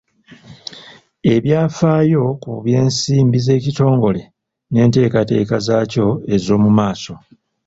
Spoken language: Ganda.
Ebyafaayo ku by'ensimbi z'ekitongole n'enteekateeka zaakyo ez'omu maaso.